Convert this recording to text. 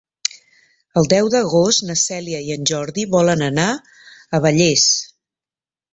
El deu d'agost na Cèlia i en Jordi volen anar a Vallés.